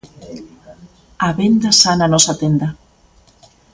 Á venda xa na nosa tenda.